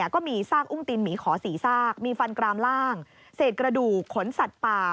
ก็มีซากอุ้งตินหมีขอ๔ซากมีฟันกรามล่างเศษกระดูกขนสัตว์ป่า